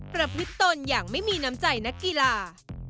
ประพฤติตนอย่างไม่มีน้ำใจนักกีฬา